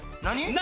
何？